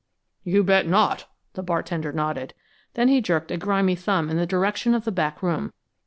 "You bet not!" The bartender nodded. Then he jerked a grimy thumb in the direction of the back room.